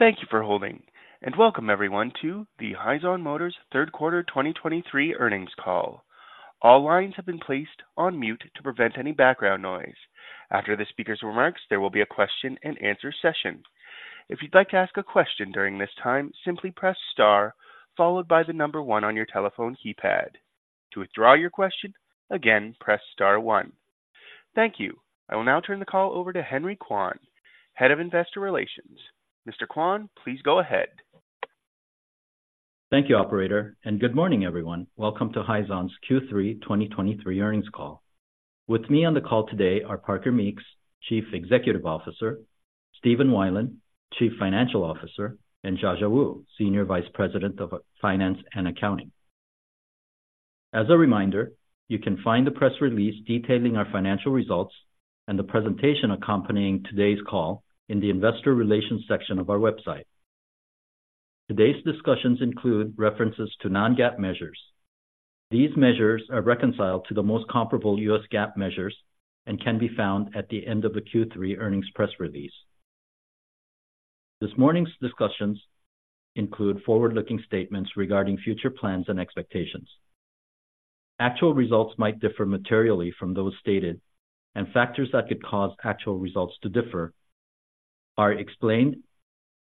Thank you for holding, and welcome everyone to the Hyzon Motors third quarter 2023 earnings call. All lines have been placed on mute to prevent any background noise. After the speaker's remarks, there will be a question-and-answer session. If you'd like to ask a question during this time, simply press star followed by the number one on your telephone keypad. To withdraw your question, again, press star one. Thank you. I will now turn the call over to Henry Kwon, Head of Investor Relations. Mr. Kwon, please go ahead. Thank you, operator, and good morning, everyone. Welcome to Hyzon's Q3 2023 earnings call. With me on the call today are Parker Meeks, Chief Executive Officer, Stephen Weiland, Chief Financial Officer, and Jiajia Wu, Senior Vice President of Finance and Accounting. As a reminder, you can find the press release detailing our financial results and the presentation accompanying today's call in the investor relations section of our website. Today's discussions include references to non-GAAP measures. These measures are reconciled to the most comparable U.S. GAAP measures and can be found at the end of the Q3 earnings press release. This morning's discussions include forward-looking statements regarding future plans and expectations. Actual results might differ materially from those stated, and factors that could cause actual results to differ are explained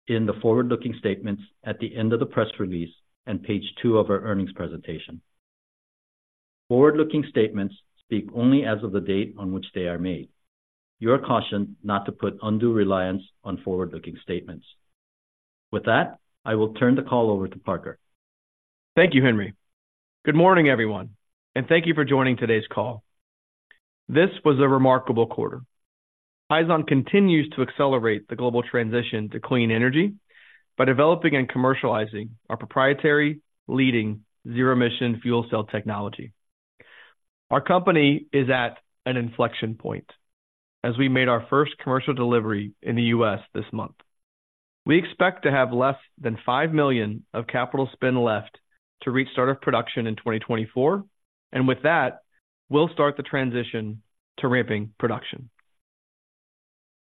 in the forward-looking statements at the end of the press release and page 2 of our earnings presentation. Forward-looking statements speak only as of the date on which they are made. You are cautioned not to put undue reliance on forward-looking statements. With that, I will turn the call over to Parker. Thank you, Henry. Good morning, everyone, and thank you for joining today's call. This was a remarkable quarter. Hyzon continues to accelerate the global transition to clean energy by developing and commercializing our proprietary leading zero-emission fuel cell technology. Our company is at an inflection point as we made our first commercial delivery in the U.S. this month. We expect to have less than $5 million of capital spend left to reach start of production in 2024, and with that, we'll start the transition to ramping production.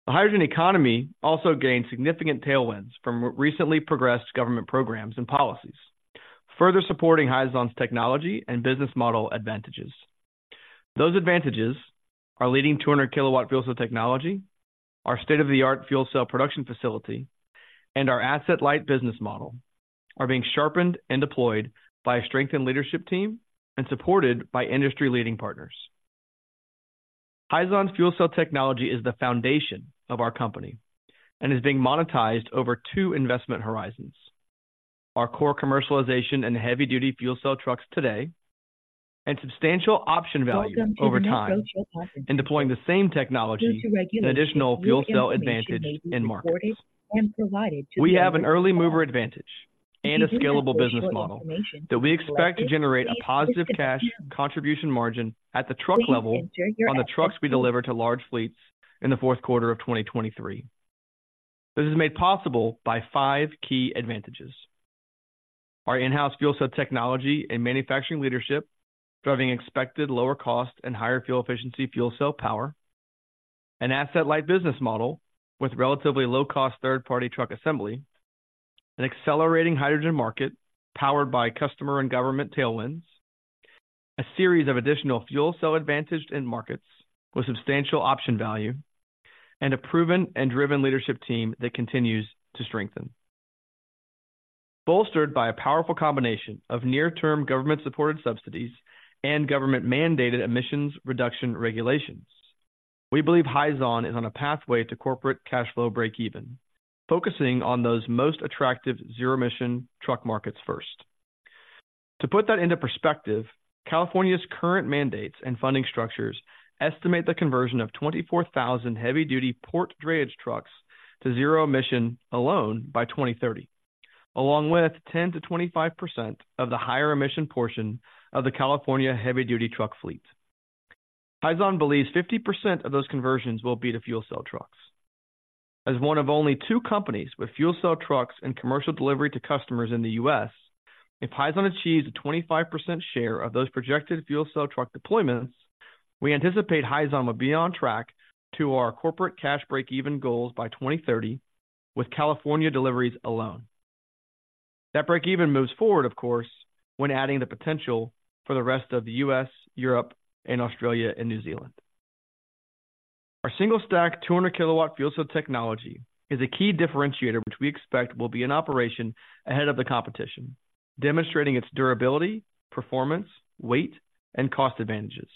The hydrogen economy also gained significant tailwinds from recently progressed government programs and policies, further supporting Hyzon's technology and business model advantages. Those advantages, our leading 200 kW fuel cell technology, our state-of-the-art fuel cell production facility, and our asset-light business model, are being sharpened and deployed by a strengthened leadership team and supported by industry-leading partners. Hyzon's fuel cell technology is the foundation of our company and is being monetized over two investment horizons. Our core commercialization and heavy-duty fuel cell trucks today, and substantial option value over time, and deploying the same technology and additional fuel cell advantage in markets. We have an early mover advantage and a scalable business model that we expect to generate a positive cash contribution margin at the truck level on the trucks we deliver to large fleets in the fourth quarter of 2023. This is made possible by five key advantages: Our in-house fuel cell technology and manufacturing leadership, driving expected lower cost and higher fuel efficiency fuel cell power. An asset-light business model with relatively low-cost third-party truck assembly. An accelerating hydrogen market powered by customer and government tailwinds. A series of additional fuel cell advantaged end markets with substantial option value, and a proven and driven leadership team that continues to strengthen. Bolstered by a powerful combination of near-term government-supported subsidies and government-mandated emissions reduction regulations, we believe Hyzon is on a pathway to corporate cash flow breakeven, focusing on those most attractive zero-emission truck markets first. To put that into perspective, California's current mandates and funding structures estimate the conversion of 24,000 heavy-duty port drayage trucks to zero-emission alone by 2030, along with 10%-25% of the higher emission portion of the California heavy-duty truck fleet. Hyzon believes 50% of those conversions will be to fuel cell trucks. As one of only two companies with fuel cell trucks and commercial delivery to customers in the U.S., if Hyzon achieves a 25% share of those projected fuel cell truck deployments, we anticipate Hyzon will be on track to our corporate cash breakeven goals by 2030 with California deliveries alone. That breakeven moves forward, of course, when adding the potential for the rest of the U.S., Europe and Australia and New Zealand. Our single-stack 200 kW fuel cell technology is a key differentiator, which we expect will be in operation ahead of the competition, demonstrating its durability, performance, weight, and cost advantages.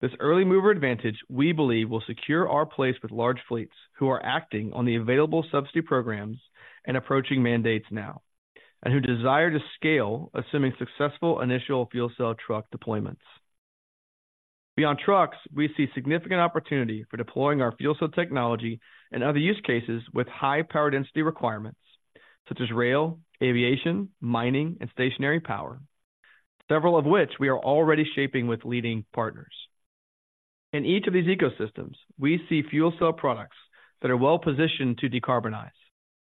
This early mover advantage, we believe, will secure our place with large fleets who are acting on the available subsidy programs and approaching mandates now, and who desire to scale, assuming successful initial fuel cell truck deployments. Beyond trucks, we see significant opportunity for deploying our fuel cell technology in other use cases with high power density requirements such as rail, aviation, mining, and stationary power, several of which we are already shaping with leading partners. In each of these ecosystems, we see fuel cell products that are well-positioned to decarbonize,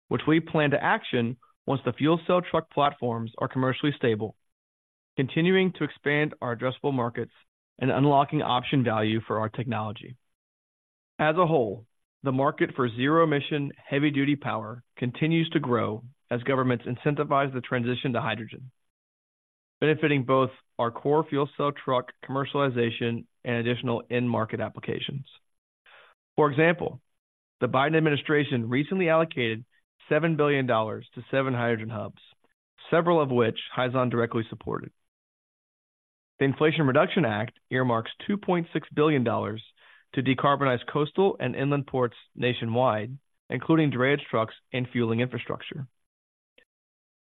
which we plan to action once the fuel cell truck platforms are commercially stable continuing to expand our addressable markets and unlocking option value for our technology. As a whole, the market for zero-emission heavy-duty power continues to grow as governments incentivize the transition to hydrogen, benefiting both our core fuel cell truck commercialization and additional end market applications. For example, the Biden administration recently allocated $7 billion to 7 hydrogen hubs, several of which Hyzon directly supported. The Inflation Reduction Act earmarks $2.6 billion to decarbonize coastal and inland ports nationwide, including drayage trucks and fueling infrastructure.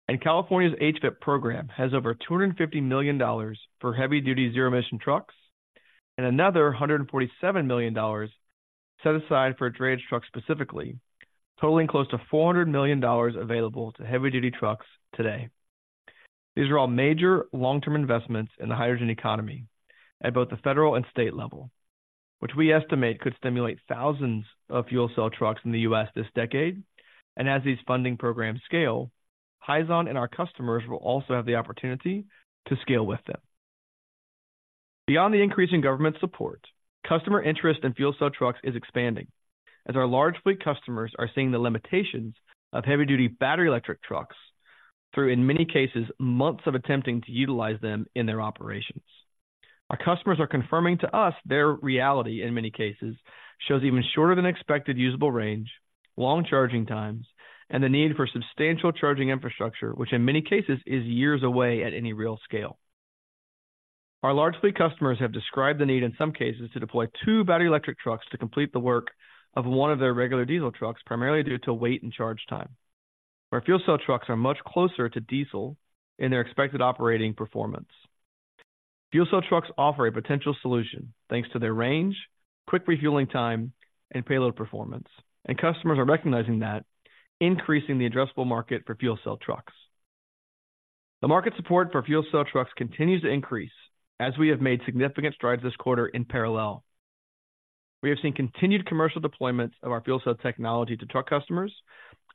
And California's HVIP program has over $250 million for heavy-duty zero-emission trucks, and another $147 million set aside for drayage trucks specifically, totaling close to $400 million available to heavy-duty trucks today. These are all major long-term investments in the hydrogen economy at both the federal and state level, which we estimate could stimulate thousands of fuel cell trucks in the U.S. this decade. And as these funding programs scale, Hyzon and our customers will also have the opportunity to scale with them. Beyond the increase in government support, customer interest in fuel cell trucks is expanding as our large fleet customers are seeing the limitations of heavy-duty battery electric trucks through, in many cases, months of attempting to utilize them in their operations. Our customers are confirming to us their reality, in many cases, shows even shorter than expected usable range, long charging times, and the need for substantial charging infrastructure, which in many cases is years away at any real scale. Our large fleet customers have described the need, in some cases, to deploy two battery electric trucks to complete the work of one of their regular diesel trucks, primarily due to weight and charge time, where fuel cell trucks are much closer to diesel in their expected operating performance. Fuel cell trucks offer a potential solution, thanks to their range, quick refueling time, and payload performance, and customers are recognizing that, increasing the addressable market for fuel cell trucks. The market support for fuel cell trucks continues to increase as we have made significant strides this quarter in parallel. We have seen continued commercial deployments of our fuel cell technology to truck customers,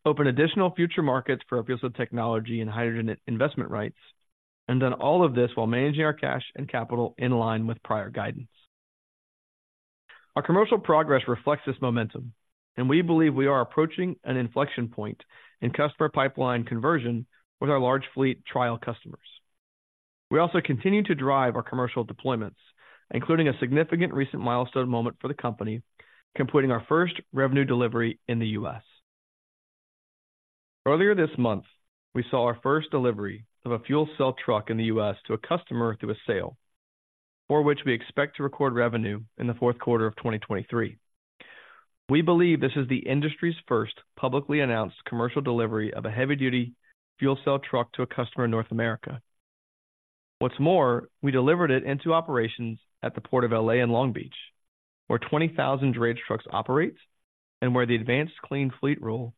opened additional future markets for our fuel cell technology and hydrogen investment rights, and done all of this while managing our cash and capital in line with prior guidance. Our commercial progress reflects this momentum, and we believe we are approaching an inflection point in customer pipeline conversion with our large fleet trial customers. We also continue to drive our commercial deployments, including a significant recent milestone moment for the company, completing our first revenue delivery in the U.S. Earlier this month, we saw our first delivery of a fuel cell truck in the U.S. to a customer through a sale, for which we expect to record revenue in the fourth quarter of 2023. We believe this is the industry's first publicly announced commercial delivery of a heavy-duty fuel cell truck to a customer in North America. What's more, we delivered it into operations at the Port of L.A. and Long Beach, where 20,000 drayage trucks operate, and where the Advanced Clean Fleet Rule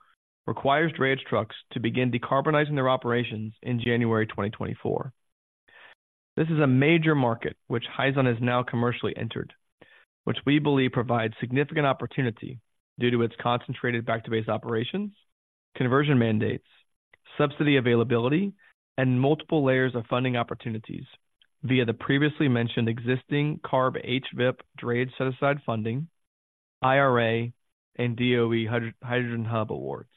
requires drayage trucks to begin decarbonizing their operations in January 2024. This is a major market which Hyzon has now commercially entered, which we believe provides significant opportunity due to its concentrated back-to-base operations, conversion mandates, subsidy availability, and multiple layers of funding opportunities via the previously mentioned existing CARB HVIP drayage set-aside funding, IRA, and DOE Hydrogen Hub awards.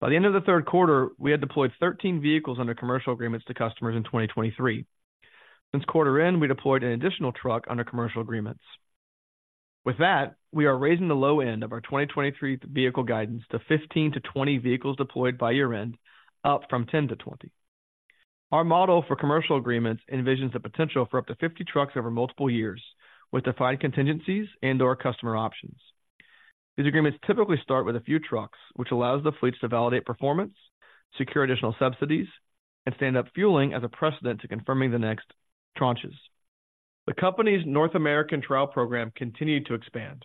By the end of the third quarter, we had deployed 13 vehicles under commercial agreements to customers in 2023. Since quarter end, we deployed an additional truck under commercial agreements. With that, we are raising the low end of our 2023 vehicle guidance to 15-20 vehicles deployed by year-end, up from 10-20. Our model for commercial agreements envisions the potential for up to 50 trucks over multiple years, with defined contingencies and/or customer options. These agreements typically start with a few trucks, which allows the fleets to validate performance, secure additional subsidies, and stand up fueling as a precedent to confirming the next tranches. The company's North American trial program continued to expand,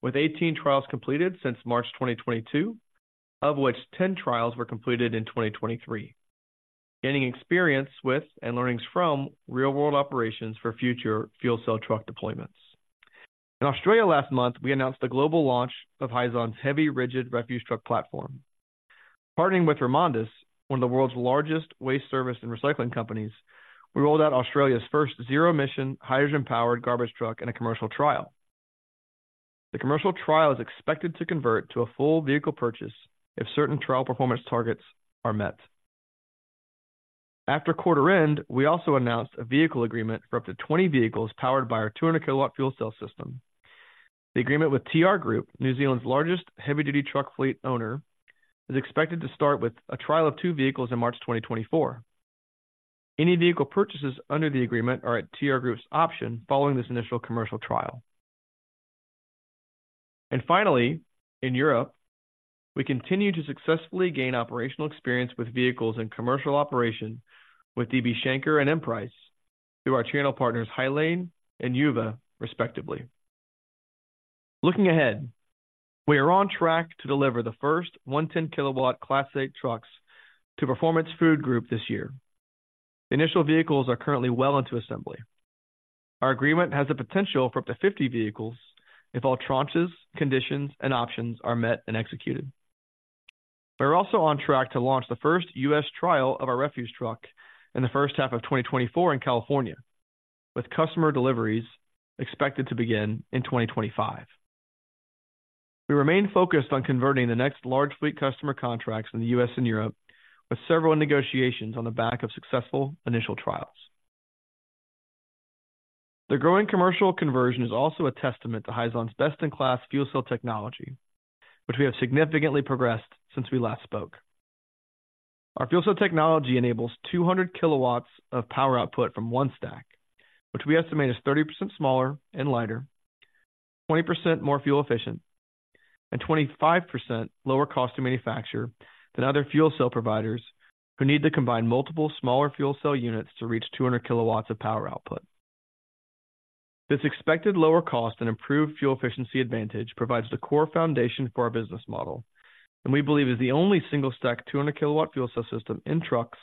with 18 trials completed since March 2022, of which 10 trials were completed in 2023, gaining experience with and learnings from real-world operations for future fuel cell truck deployments. In Australia last month, we announced the global launch of Hyzon's Heavy Rigid Refuse Truck platform. Partnering with REMONDIS, one of the world's largest waste service and recycling companies, we rolled out Australia's first zero-emission, hydrogen-powered garbage truck in a commercial trial. The commercial trial is expected to convert to a full vehicle purchase if certain trial performance targets are met. After quarter end, we also announced a vehicle agreement for up to 20 vehicles powered by our 200 kW fuel cell system. The agreement with TR Group, New Zealand's largest heavy-duty truck fleet owner, is expected to start with a trial of 2 vehicles in March 2024. Any vehicle purchases under the agreement are at TR Group's option following this initial commercial trial. Finally, in Europe, we continue to successfully gain operational experience with vehicles and commercial operation with DB Schenker and MPREIS, through our channel partners, Hylane and the JV, respectively. Looking ahead, we are on track to deliver the first 110 kW Class 8 trucks to Performance Food Group this year. The initial vehicles are currently well into assembly. Our agreement has the potential for up to 50 vehicles if all tranches, conditions, and options are met and executed. We are also on track to launch the first U.S. trial of our refuse truck in the first half of 2024 in California, with customer deliveries expected to begin in 2025. We remain focused on converting the next large fleet customer contracts in the U.S. and Europe, with several negotiations on the back of successful initial trials. The growing commercial conversion is also a testament to Hyzon's best-in-class fuel cell technology, which we have significantly progressed since we last spoke. Our fuel cell technology enables 200 kW of power output from one stack, which we estimate is 30% smaller and lighter, 20% more fuel efficient, and 25% lower cost to manufacture than other fuel cell providers who need to combine multiple smaller fuel cell units to reach 200 kW of power output. This expected lower cost and improved fuel efficiency advantage provides the core foundation for our business model, and we believe is the only single-stack, 200 kW fuel cell system in trucks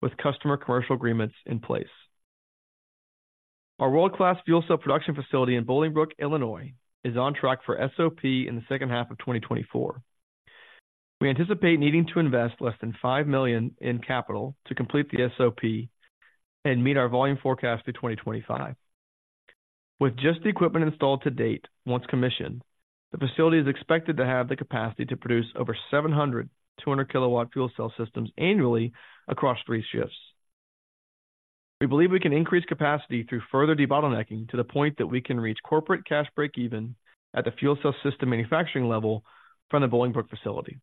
with customer commercial agreements in place. Our world-class fuel cell production facility in Bolingbrook, Illinois, is on track for SOP in the second half of 2024. We anticipate needing to invest less than $5 million in capital to complete the SOP and meet our volume forecast through 2025. With just the equipment installed to date, once commissioned, the facility is expected to have the capacity to produce over 700 200 kW fuel cell systems annually across 3 shifts. We believe we can increase capacity through further debottlenecking to the point that we can reach corporate cash break-even at the fuel cell system manufacturing level from the Bolingbrook facility.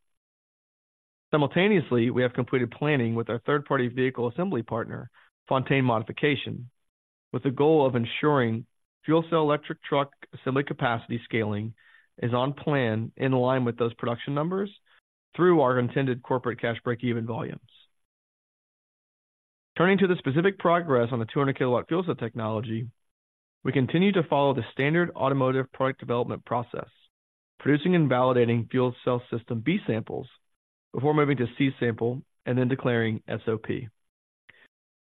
Simultaneously, we have completed planning with our third-party vehicle assembly partner, Fontaine Modification, with the goal of ensuring fuel cell electric truck assembly capacity scaling is on plan in line with those production numbers through our intended corporate cash break-even volumes. Turning to the specific progress on the 200 kW fuel cell technology, we continue to follow the standard automotive product development process, producing and validating fuel cell system B samples before moving to C sample and then declaring SOP.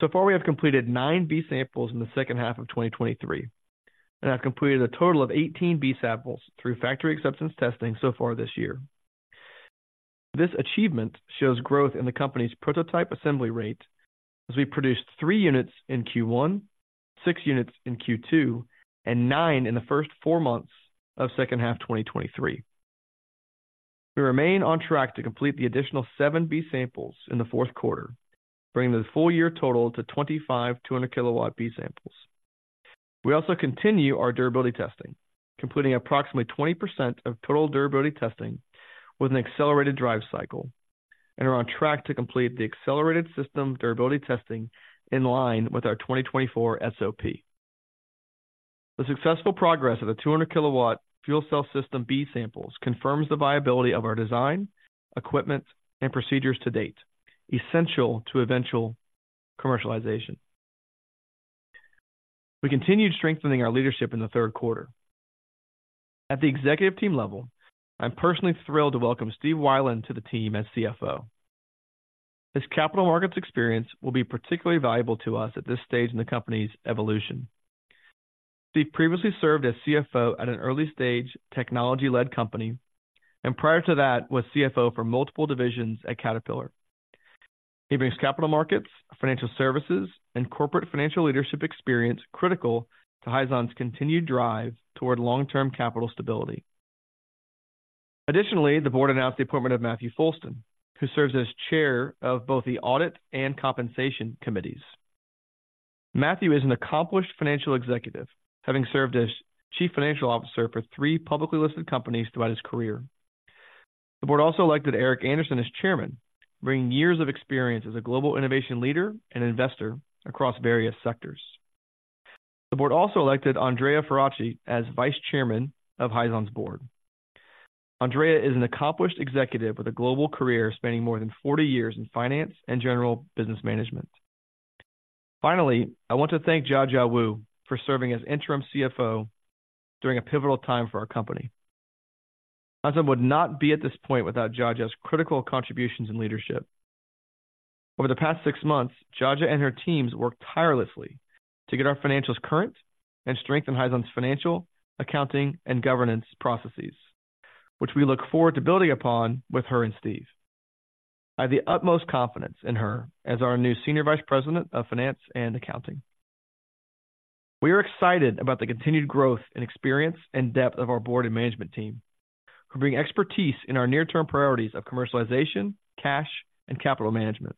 So far, we have completed 9 B samples in the second half of 2023, and have completed a total of 18 B samples through factory acceptance testing so far this year. This achievement shows growth in the company's prototype assembly rate, as we produced 3 units in Q1, 6 units in Q2, and 9 in the first four months of second half 2023. We remain on track to complete the additional 7 B samples in the fourth quarter, bringing the full year total to 25 200 kW B samples. We also continue our durability testing, completing approximately 20% of total durability testing with an accelerated drive cycle, and are on track to complete the accelerated system durability testing in line with our 2024 SOP. The successful progress of the 200 kW fuel cell system B samples confirms the viability of our design, equipment, and procedures to date, essential to eventual commercialization. We continued strengthening our leadership in the third quarter. At the executive team level, I'm personally thrilled to welcome Steve Weiland to the team as CFO. His capital markets experience will be particularly valuable to us at this stage in the company's evolution. Steve previously served as CFO at an early-stage, technology-led company, and prior to that, was CFO for multiple divisions at Caterpillar. He brings capital markets, financial services, and corporate financial leadership experience critical to Hyzon's continued drive toward long-term capital stability. Additionally, the board announced the appointment of Matthew Foulston, who serves as chair of both the Audit and Compensation Committees. Matthew is an accomplished financial executive, having served as Chief Financial Officer for three publicly listed companies throughout his career. The board also elected Eric Anderson as chairman, bringing years of experience as a global innovation leader and investor across various sectors. The board also elected Andrea Farace as Vice Chairman of Hyzon's board. Andrea is an accomplished executive with a global career spanning more than forty years in finance and general business management. Finally, I want to thank Jiajia Wu for serving as interim CFO during a pivotal time for our company. Hyzon would not be at this point without Jiajia's critical contributions and leadership. Over the past six months, Jiajia and her teams worked tirelessly to get our financials current and strengthen Hyzon's financial, accounting, and governance processes, which we look forward to building upon with her and Steve. I have the utmost confidence in her as our new Senior Vice President of Finance and Accounting. We are excited about the continued growth and experience and depth of our board and management team, who bring expertise in our near-term priorities of commercialization, cash, and capital management.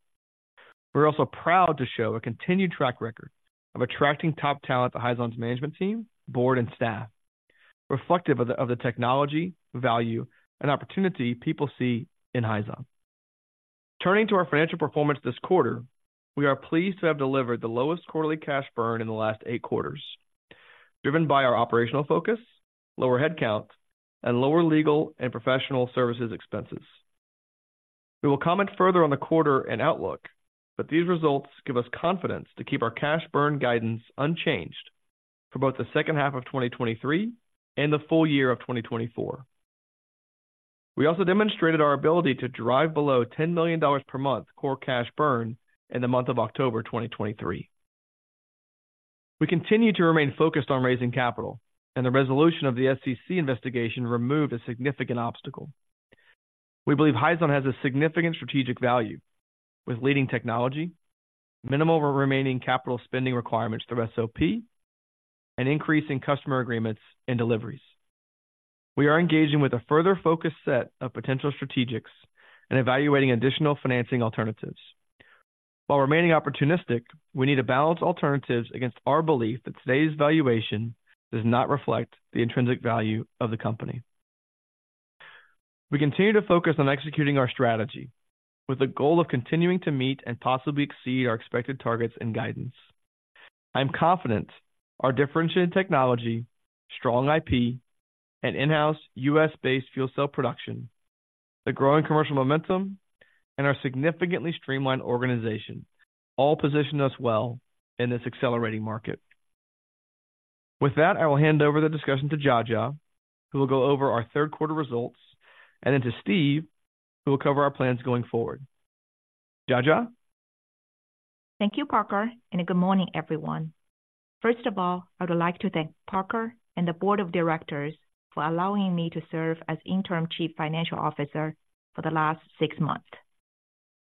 We're also proud to show a continued track record of attracting top talent to Hyzon's management team, board, and staff, reflective of the technology, value, and opportunity people see in Hyzon. Turning to our financial performance this quarter, we are pleased to have delivered the lowest quarterly cash burn in the last eight quarters, driven by our operational focus, lower headcount, and lower legal and professional services expenses. We will comment further on the quarter and outlook, but these results give us confidence to keep our cash burn guidance unchanged for both the second half of 2023 and the full year of 2024. We also demonstrated our ability to drive below $10 million per month core cash burn in the month of October 2023. We continue to remain focused on raising capital, and the resolution of the SEC investigation removed a significant obstacle. We believe Hyzon has a significant strategic value with leading technology, minimal remaining capital spending requirements through SOP, and increasing customer agreements and deliveries. We are engaging with a further focused set of potential strategics and evaluating additional financing alternatives. While remaining opportunistic, we need to balance alternatives against our belief that today's valuation does not reflect the intrinsic value of the company. We continue to focus on executing our strategy with the goal of continuing to meet and possibly exceed our expected targets and guidance. I'm confident our differentiated technology, strong IP, and in-house U.S.-based fuel cell production, the growing commercial momentum, and our significantly streamlined organization all position us well in this accelerating market. With that, I will hand over the discussion to Jiajia, who will go over our third quarter results, and then to Steve, who will cover our plans going forward. Jiajia? Thank you, Parker, and good morning, everyone. First of all, I would like to thank Parker and the board of directors for allowing me to serve as interim Chief Financial Officer for the last six months.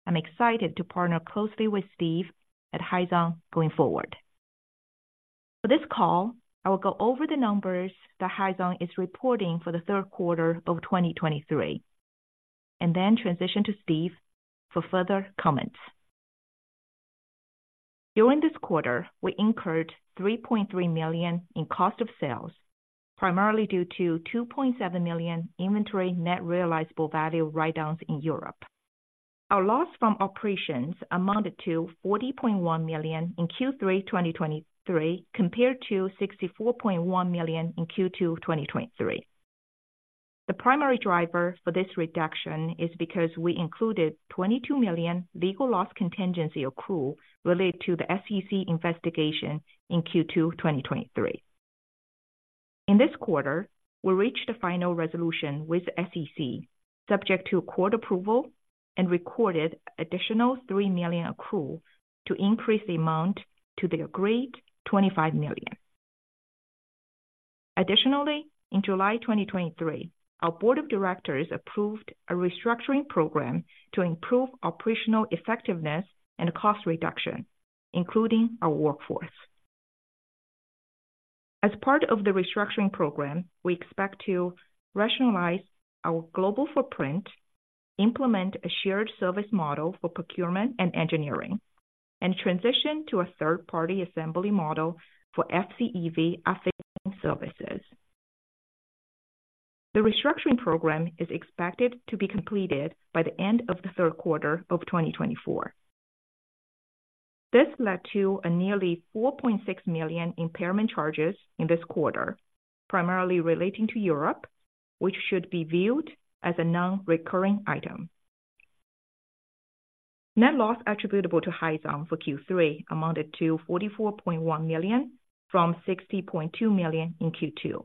I'm excited to partner closely with Steve at Hyzon going forward. For this call, I will go over the numbers that Hyzon is reporting for the third quarter of 2023, and then transition to Steve for further comments. During this quarter, we incurred $3.3 million in cost of sales, primarily due to $2.7 million inventory net realizable value write-downs in Europe. Our loss from operations amounted to $40.1 million in Q3 2023, compared to $64.1 million in Q2 2023. The primary driver for this reduction is because we included $22 million legal loss contingency accrual related to the SEC investigation in Q2 2023. In this quarter, we reached a final resolution with the SEC, subject to court approval and recorded additional $3 million accrual to increase the amount to the agreed $25 million. Additionally, in July 2023, our board of directors approved a restructuring program to improve operational effectiveness and cost reduction, including our workforce. As part of the restructuring program, we expect to rationalize our global footprint, implement a shared service model for procurement and engineering, and transition to a third-party assembly model for FCEV assembly services. The restructuring program is expected to be completed by the end of the third quarter of 2024. This led to a nearly $4.6 million impairment charges in this quarter, primarily relating to Europe, which should be viewed as a non-recurring item. Net loss attributable to Hyzon for Q3 amounted to $44.1 million, from $60.2 million in Q2.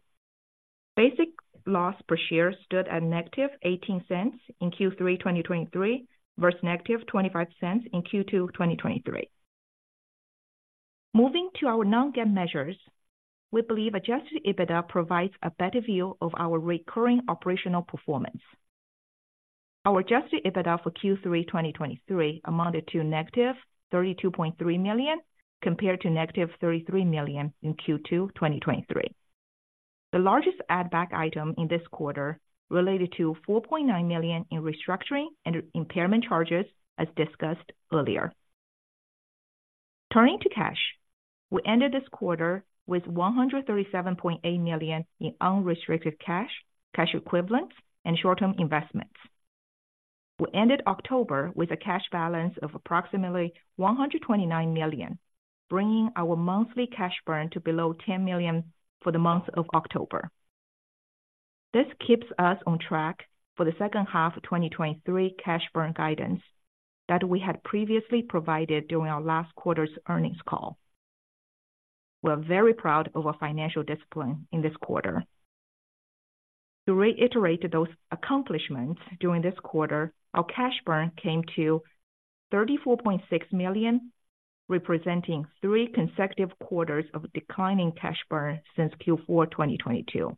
Basic loss per share stood at -$0.18 in Q3 2023 versus -$0.25 in Q2 2023. Moving to our non-GAAP measures, we believe Adjusted EBITDA provides a better view of our recurring operational performance. Our Adjusted EBITDA for Q3 2023 amounted to -$32.3 million, compared to -$33 million in Q2 2023. The largest add-back item in this quarter related to $4.9 million in restructuring and impairment charges, as discussed earlier. Turning to cash, we ended this quarter with $137.8 million in unrestricted cash, cash equivalents, and short-term investments. We ended October with a cash balance of approximately $129 million, bringing our monthly cash burn to below $10 million for the month of October. This keeps us on track for the second half of 2023 cash burn guidance that we had previously provided during our last quarter's earnings call. We're very proud of our financial discipline in this quarter. To reiterate those accomplishments, during this quarter, our cash burn came to $34.6 million, representing three consecutive quarters of declining cash burn since Q4 2022,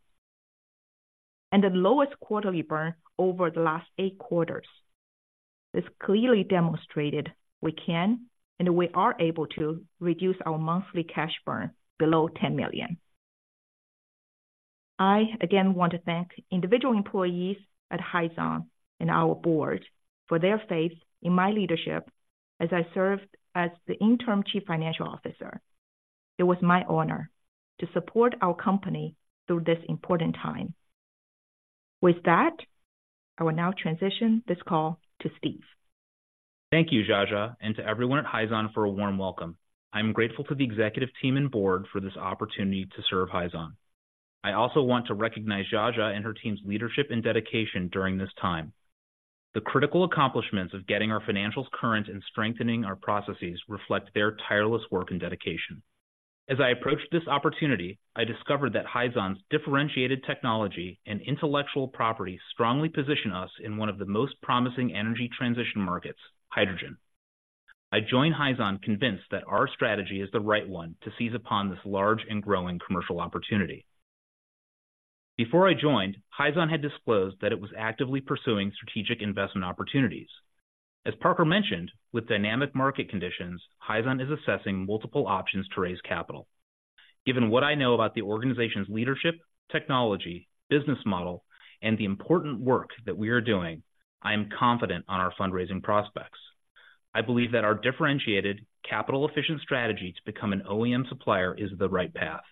and the lowest quarterly burn over the last eight quarters. This clearly demonstrated we can and we are able to reduce our monthly cash burn below $10 million. I again want to thank individual employees at Hyzon and our board for their faith in my leadership as I served as the interim Chief Financial Officer. It was my honor to support our company through this important time. With that, I will now transition this call to Steph. Thank you, Jiajia, and to everyone at Hyzon for a warm welcome. I'm grateful to the executive team and board for this opportunity to serve Hyzon. I also want to recognize Jiajia and her team's leadership and dedication during this time. The critical accomplishments of getting our financials current and strengthening our processes reflect their tireless work and dedication. As I approached this opportunity, I discovered that Hyzon's differentiated technology and intellectual property strongly position us in one of the most promising energy transition markets, hydrogen. I joined Hyzon convinced that our strategy is the right one to seize upon this large and growing commercial opportunity. Before I joined, Hyzon had disclosed that it was actively pursuing strategic investment opportunities. As Parker mentioned, with dynamic market conditions, Hyzon is assessing multiple options to raise capital. Given what I know about the organization's leadership, technology, business model, and the important work that we are doing, I am confident on our fundraising prospects. I believe that our differentiated capital-efficient strategy to become an OEM supplier is the right path.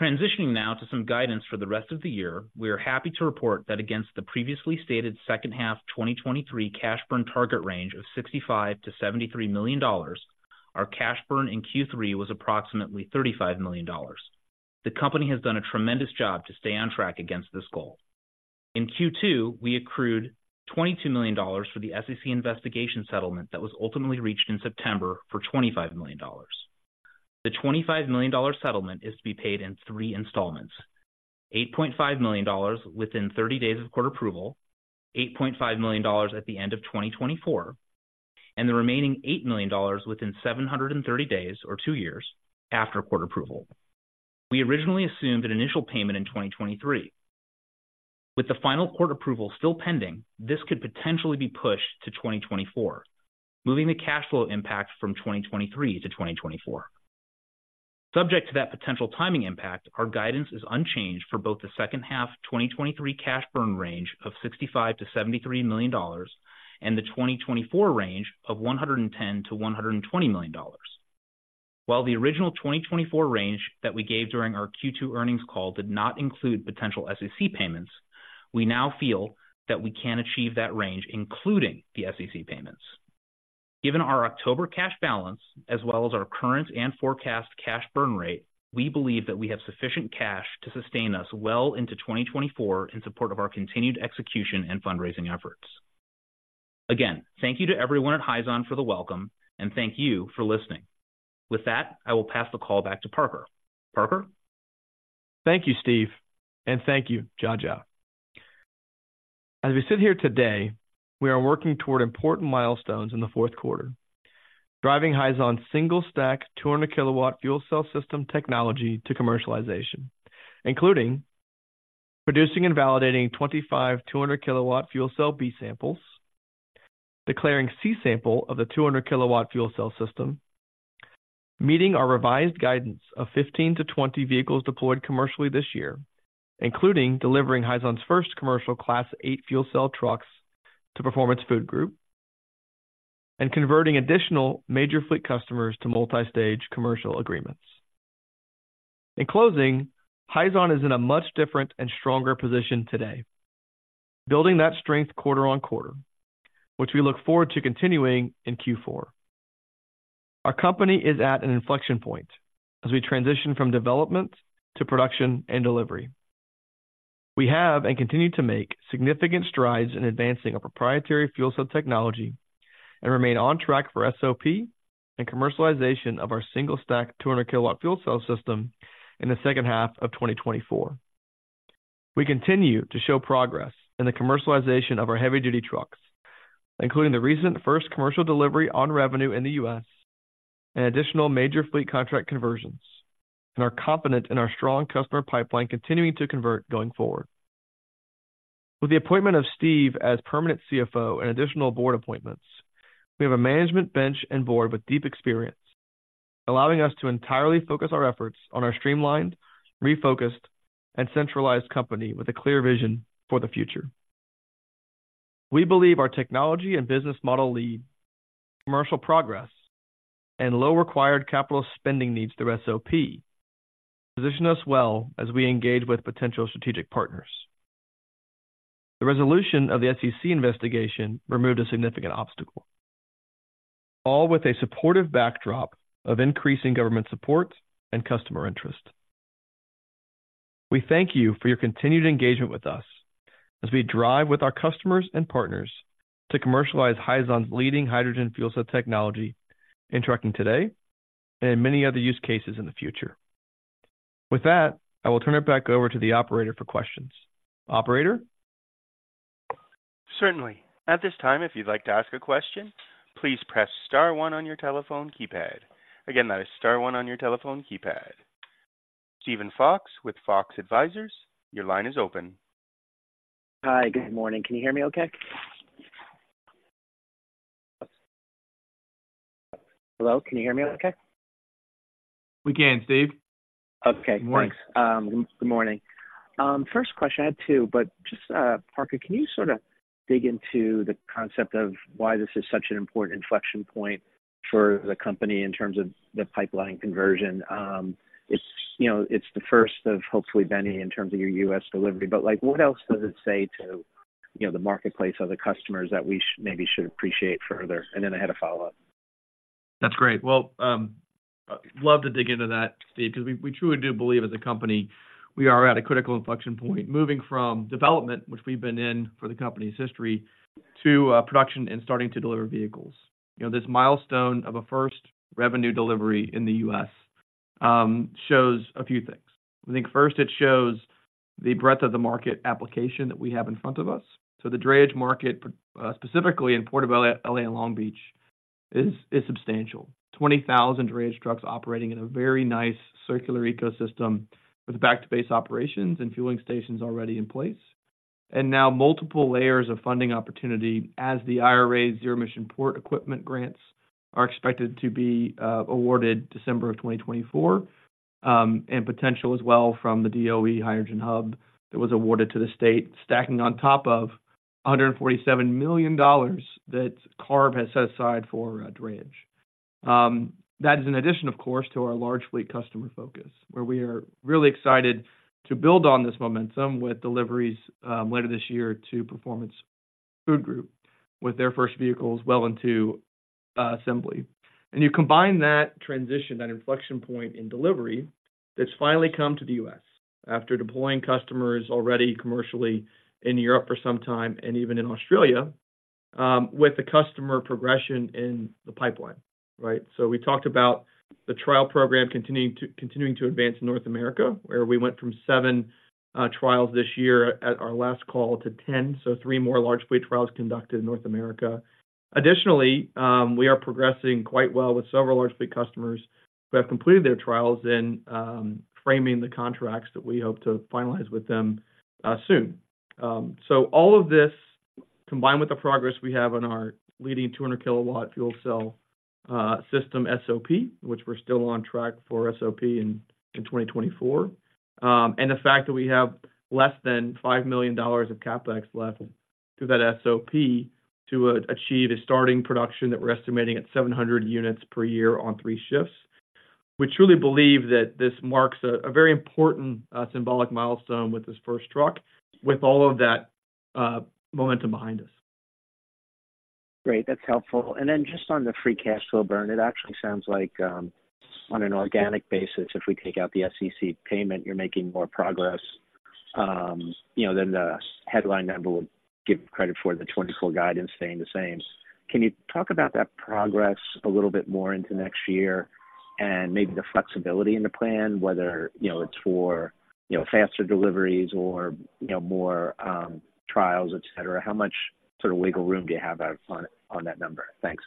Transitioning now to some guidance for the rest of the year, we are happy to report that against the previously stated second half 2023 cash burn target range of $65 million-$73 million, our cash burn in Q3 was approximately $35 million. The company has done a tremendous job to stay on track against this goal. In Q2, we accrued $22 million for the SEC investigation settlement that was ultimately reached in September for $25 million. The $25 million settlement is to be paid in three installments: $8.5 million within 30 days of court approval, $8.5 million at the end of 2024, and the remaining $8 million within 730 days or 2 years after court approval. We originally assumed an initial payment in 2023. With the final court approval still pending, this could potentially be pushed to 2024, moving the cash flow impact from 2023 to 2024. Subject to that potential timing impact, our guidance is unchanged for both the second half 2023 cash burn range of $65 million-$73 million, and the 2024 range of $110 million-$120 million. While the original 2024 range that we gave during our Q2 earnings call did not include potential SEC payments, we now feel that we can achieve that range, including the SEC payments. Given our October cash balance, as well as our current and forecast cash burn rate, we believe that we have sufficient cash to sustain us well into 2024 in support of our continued execution and fundraising efforts. Again, thank you to everyone at Hyzon for the welcome, and thank you for listening. With that, I will pass the call back to Parker. Parker? Thank you, Steph, and thank you, Jiajia. As we sit here today, we are working toward important milestones in the fourth quarter, driving Hyzon's single-stack 200 kW fuel cell system technology to commercialization, including producing and validating 25 200 kW fuel cell B samples, declaring C sample of the 200 kW fuel cell system, meeting our revised guidance of 15-20 vehicles deployed commercially this year, including delivering Hyzon's first commercial Class 8 fuel cell trucks to Performance Food Group, and converting additional major fleet customers to multi-stage commercial agreements. In closing, Hyzon is in a much different and stronger position today, building that strength quarter on quarter, which we look forward to continuing in Q4. Our company is at an inflection point as we transition from development to production and delivery. We have, and continue to make, significant strides in advancing our proprietary fuel cell technology and remain on track for SOP and commercialization of our single-stack 200 kW fuel cell system in the second half of 2024. We continue to show progress in the commercialization of our heavy-duty trucks, including the recent first commercial delivery on revenue in the U.S. and additional major fleet contract conversions, and are confident in our strong customer pipeline continuing to convert going forward. With the appointment of Steve as permanent CFO and additional board appointments, we have a management bench and board with deep experience, allowing us to entirely focus our efforts on our streamlined, refocused, and centralized company with a clear vision for the future. We believe our technology and business model leadership, commercial progress, and low required capital spending needs through SOP position us well as we engage with potential strategic partners. The resolution of the SEC investigation removed a significant obstacle, along with a supportive backdrop of increasing government support and customer interest. We thank you for your continued engagement with us as we drive with our customers and partners to commercialize Hyzon's leading hydrogen fuel cell technology in trucking today and in many other use cases in the future. With that, I will turn it back over to the operator for questions. Operator? Certainly. At this time, if you'd like to ask a question, please press star one on your telephone keypad. Again, that is star one on your telephone keypad. Steven Fox with Fox Advisors, your line is open. Hi, good morning. Can you hear me okay? Hello, can you hear me okay? We can, Steve. Okay, thanks. Good morning. Good morning. First question, I had two, but just, Parker, can you sort of dig into the concept of why this is such an important inflection point for the company in terms of the pipeline conversion? It's, you know, it's the first of hopefully many in terms of your U.S. delivery, but, like, what else does it say to, you know, the marketplace or the customers that we maybe should appreciate further? And then I had a follow-up. That's great. Well, love to dig into that, Steve, because we, we truly do believe as a company, we are at a critical inflection point, moving from development, which we've been in for the company's history, to production and starting to deliver vehicles. You know, this milestone of a first revenue delivery in the U.S., shows a few things. I think first, it shows the breadth of the market application that we have in front of us. So the drayage market, specifically in Port of L.A. and Long Beach is substantial. 20,000 drayage trucks operating in a very nice circular ecosystem with back-to-base operations and fueling stations already in place. And now multiple layers of funding opportunity as the IRA zero emission port equipment grants are expected to be awarded December 2024. Potential as well from the DOE Hydrogen Hub that was awarded to the state, stacking on top of $147 million that CARB has set aside for drayage. That is in addition, of course, to our large fleet customer focus, where we are really excited to build on this momentum with deliveries later this year to Performance Food Group, with their first vehicles well into assembly. You combine that transition, that inflection point in delivery, that's finally come to the U.S. after deploying customers already commercially in Europe for some time, and even in Australia, with the customer progression in the pipeline, right? We talked about the trial program continuing to advance in North America, where we went from seven trials this year at our last call, to 10. So three more large fleet trials conducted in North America. Additionally, we are progressing quite well with several large fleet customers who have completed their trials and, framing the contracts that we hope to finalize with them, soon. So all of this, combined with the progress we have on our leading 200 kW fuel cell system SOP, which we're still on track for SOP in 2024. And the fact that we have less than $5 million of CapEx left to that SOP to achieve a starting production that we're estimating at 700 units per year on three shifts. We truly believe that this marks a very important symbolic milestone with this first truck, with all of that momentum behind us. Great, that's helpful. And then just on the free cash flow burn, it actually sounds like, on an organic basis, if we take out the SEC payment, you're making more progress, you know, than the headline number will give credit for the 2024 guidance staying the same. Can you talk about that progress a little bit more into next year, and maybe the flexibility in the plan, whether, you know, it's for, you know, faster deliveries or, you know, more, trials, et cetera? How much sort of wiggle room do you have on, on that number? Thanks.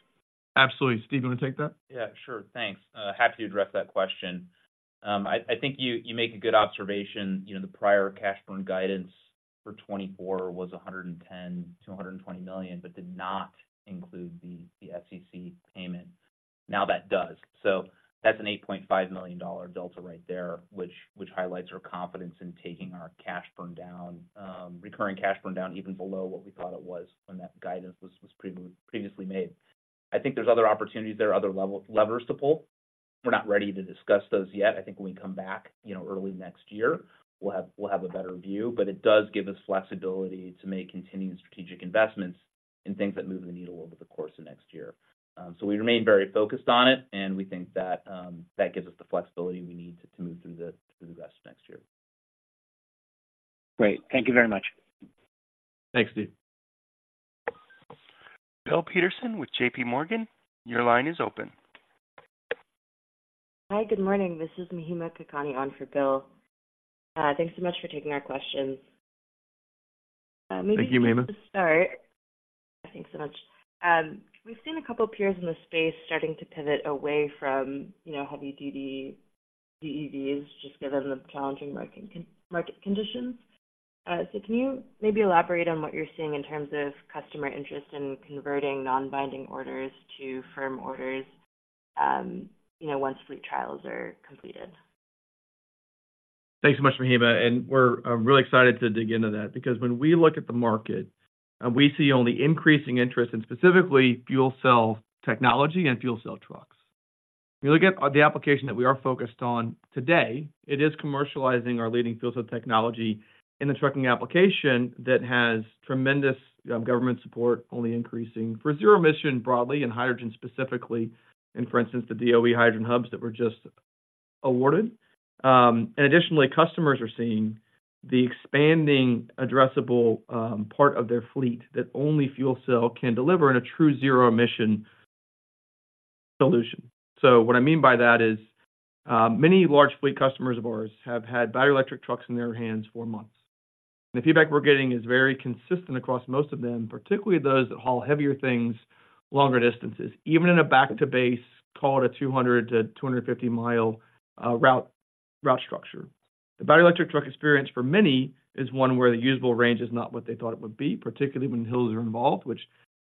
Absolutely. Steph, you want to take that? Yeah, sure. Thanks. Happy to address that question. I think you make a good observation. You know, the prior cash burn guidance for 2024 was $110 million-$120 million, but did not include the SEC payment. Now, that does. So that's an $8.5 million dollar delta right there, which highlights our confidence in taking our cash burn down, recurring cash burn down, even below what we thought it was when that guidance was previously made. I think there's other opportunities there, other levers to pull. We're not ready to discuss those yet. I think when we come back, you know, early next year, we'll have a better view. But it does give us flexibility to make continued strategic investments in things that move the needle over the course of next year. So we remain very focused on it, and we think that that gives us the flexibility we need to move through the rest of next year. Great. Thank you very much. Thanks, Steve. Bill Peterson with JPMorgan, your line is open. Hi, good morning. This is Mahima Kakani on for Bill. Thanks so much for taking our questions. Maybe. Thank you, Mahima. To start. Thanks so much. We've seen a couple peers in this space starting to pivot away from, you know, heavy-duty EVs, just given the challenging market conditions. So can you maybe elaborate on what you're seeing in terms of customer interest in converting non-binding orders to firm orders, you know, once fleet trials are completed? Thanks so much, Mahima, and we're really excited to dig into that. Because when we look at the market, we see only increasing interest in specifically fuel cell technology and fuel cell trucks. We look at the application that we are focused on today, it is commercializing our leading fuel cell technology in the trucking application that has tremendous government support, only increasing for zero-emission broadly, and hydrogen specifically, and for instance, the DOE hydrogen hubs that were just awarded. And additionally, customers are seeing the expanding addressable part of their fleet that only fuel cell can deliver in a true zero-emission solution. So what I mean by that is, many large fleet customers of ours have had battery electric trucks in their hands for months. The feedback we're getting is very consistent across most of them, particularly those that haul heavier things, longer distances, even in a back-to-base, call it a 200-250 mi route structure. The battery electric truck experience for many is one where the usable range is not what they thought it would be, particularly when hills are involved, which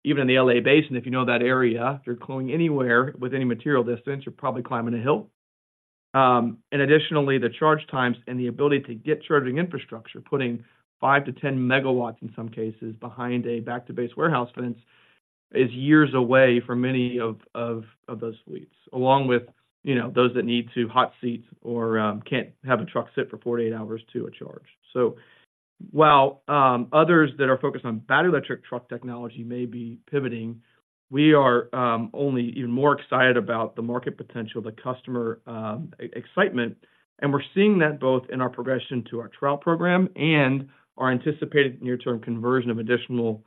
even in the L.A. basin, if you know that area, if you're going anywhere with any material distance, you're probably climbing a hill. Additionally, the charge times and the ability to get charging infrastructure, putting 5-10 MW in some cases behind a back-to-base warehouse fence, is years away for many of those fleets. Along with, you know, those that need to hot seat or can't have a truck sit for 48 hours to a charge. So while others that are focused on battery electric truck technology may be pivoting, we are only even more excited about the market potential, the customer excitement. And we're seeing that both in our progression to our trial program and our anticipated near-term conversion of additional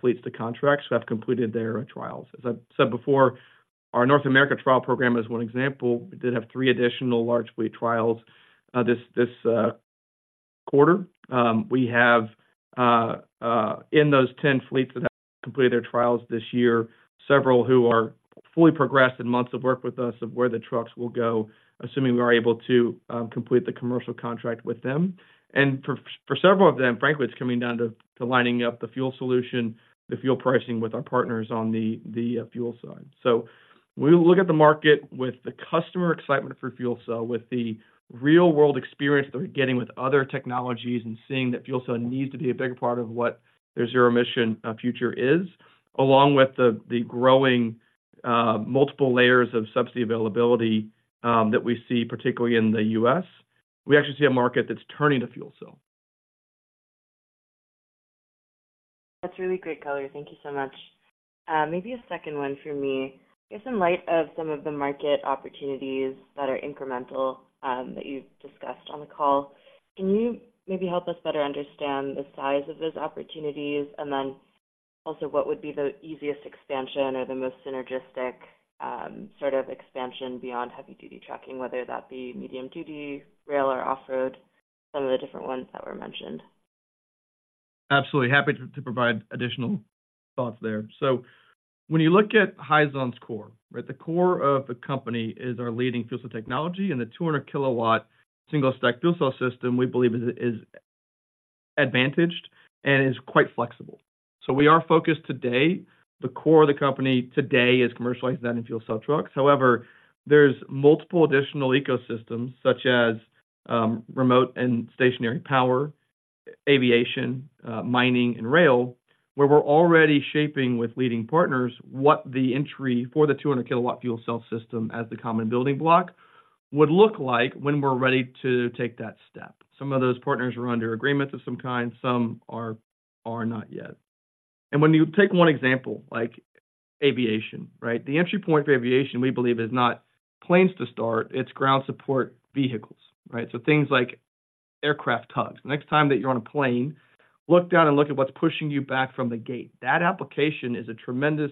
fleets to contracts who have completed their trials. As I've said before, our North America trial program is one example. We did have 3 additional large fleet trials this quarter. We have in those 10 fleets that have completed their trials this year, several who are fully progressed in months of work with us of where the trucks will go, assuming we are able to complete the commercial contract with them. And for several of them, frankly, it's coming down to lining up the fuel solution, the fuel pricing with our partners on the fuel side. So we look at the market with the customer excitement for fuel cell, with the real-world experience they're getting with other technologies, and seeing that fuel cell needs to be a bigger part of what their zero-emission future is, along with the growing multiple layers of subsidy availability that we see, particularly in the U.S. We actually see a market that's turning to fuel cell. That's really great color. Thank you so much. Maybe a second one for me. I guess in light of some of the market opportunities that are incremental, that you've discussed on the call, can you maybe help us better understand the size of those opportunities? And then, also, what would be the easiest expansion or the most synergistic, sort of expansion beyond heavy-duty trucking, whether that be medium-duty, rail, or off-road, some of the different ones that were mentioned? Absolutely. Happy to, to provide additional thoughts there. So when you look at Hyzon's core, right? The core of the company is our leading fuel cell technology, and the 200 kW single-stack fuel cell system, we believe is, is advantaged and is quite flexible. So we are focused today. The core of the company today is commercializing that in fuel cell trucks. However, there's multiple additional ecosystems such as, remote and stationary power, aviation, mining, and rail, where we're already shaping with leading partners what the entry for the 200 kW fuel cell system as the common building block would look like when we're ready to take that step. Some of those partners are under agreements of some kind, some are, are not yet. And when you take one example, like aviation, right? The entry point for aviation, we believe, is not planes to start, it's ground support vehicles, right? So things like aircraft tugs. Next time that you're on a plane, look down and look at what's pushing you back from the gate. That application is a tremendous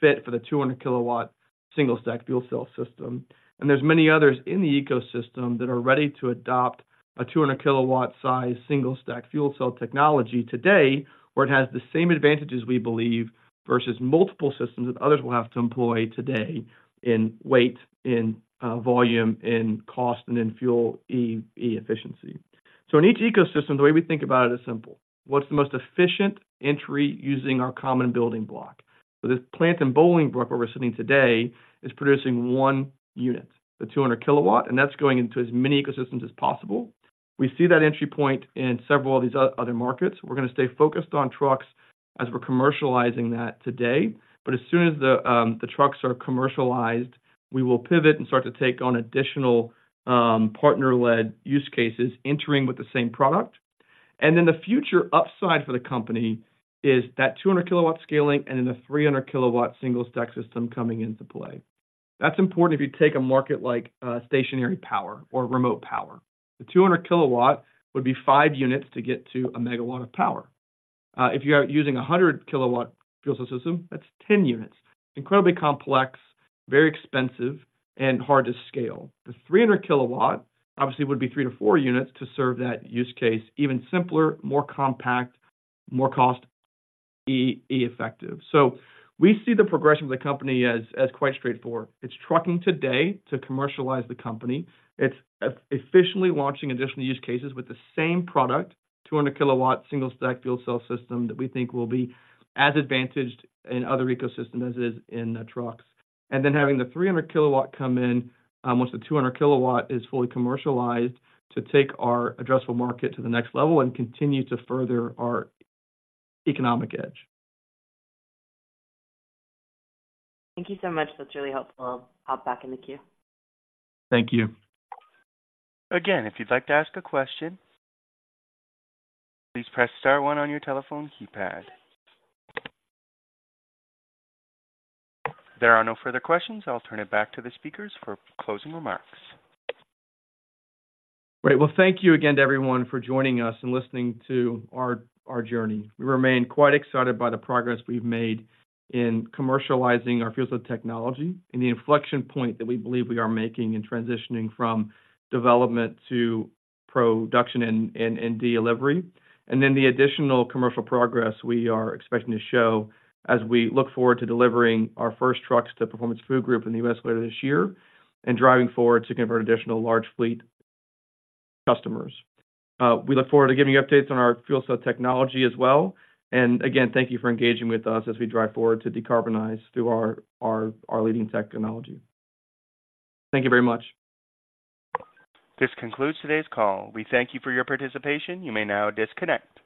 fit for the 200 kW single-stack fuel cell system, and there's many others in the ecosystem that are ready to adopt a 200 kW size single-stack fuel cell technology today, where it has the same advantages, we believe, versus multiple systems that others will have to employ today in weight, in, volume, in cost, and in fuel efficiency. So in each ecosystem, the way we think about it is simple: What's the most efficient entry using our common building block? So this plant in Bolingbrook, where we're sitting today, is producing one unit, the 200 kW, and that's going into as many ecosystems as possible. We see that entry point in several of these other markets. We're gonna stay focused on trucks as we're commercializing that today, but as soon as the trucks are commercialized, we will pivot and start to take on additional partner-led use cases, entering with the same product. And then the future upside for the company is that 200 kW scaling and then the 300 kW single-stack system coming into play. That's important if you take a market like stationary power or remote power. The 200 kW would be 5 units to get to a megawatt of power. If you're using a 100 kW fuel cell system, that's 10 units. Incredibly complex, very expensive, and hard to scale. The 300 kW obviously would be 3-4 units to serve that use case. Even simpler, more compact, more cost-effective. So we see the progression of the company as quite straightforward. It's trucking today to commercialize the company. It's efficiently launching additional use cases with the same product, 200 kW single-stack fuel cell system, that we think will be as advantaged in other ecosystems as it is in the trucks. And then having the 300 kW come in, once the 200 kW is fully commercialized, to take our addressable market to the next level and continue to further our economic edge. Thank you so much. That's really helpful. I'll hop back in the queue. Thank you. Again, if you'd like to ask a question, please press star one on your telephone keypad. If there are no further questions, I'll turn it back to the speakers for closing remarks. Great. Well, thank you again to everyone for joining us and listening to our journey. We remain quite excited by the progress we've made in commercializing our fuel cell technology and the inflection point that we believe we are making in transitioning from development to production and delivery. Then the additional commercial progress we are expecting to show as we look forward to delivering our first trucks to Performance Food Group in the U.S. later this year, and driving forward to convert additional large fleet customers. We look forward to giving you updates on our fuel cell technology as well. And again, thank you for engaging with us as we drive forward to decarbonize through our leading technology. Thank you very much. This concludes today's call. We thank you for your participation. You may now disconnect.